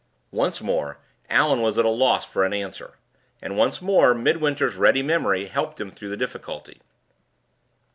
Once more, Allan was at a loss for an answer; and, once more, Midwinter's ready memory helped him through the difficulty.